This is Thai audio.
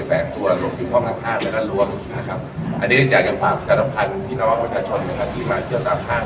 อันนี้ก็จะอยากจะฝากชาติภัณฑ์ที่นำว่าประชาชนนะครับที่มาเที่ยวตามทาง